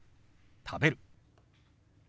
「食べる」。